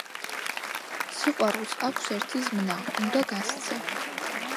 სიყვარულს აქვს ერთი ზმნა, უნდა გასცე.